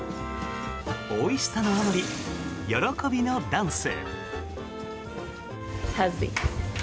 おいしさのあまり喜びのダンス。